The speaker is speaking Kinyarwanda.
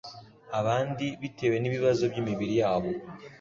Abandi, bitewe n’ibibazo by’imibiri yabo,